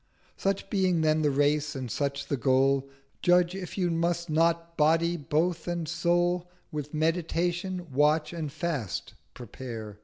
Such being then the Race and such the Goal, Judge if you must not Body both and Soul With Meditation, Watch and Fast prepare.